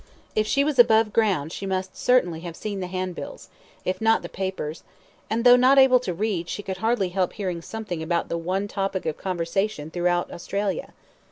If she was above ground she must certainly have seen the handbills, if not the papers; and though not able to read, she could hardly help hearing something about the one topic of conversation throughout Australia.